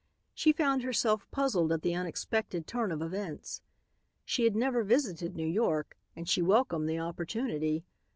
She found herself puzzled at the unexpected turn of events. She had never visited New York and she welcomed the opportunity.